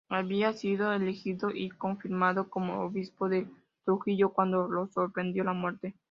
Había sido elegido y confirmado como obispo de Trujillo cuando lo sorprendió la muerte.